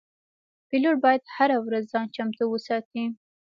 پیلوټ باید هره ورځ ځان چمتو وساتي.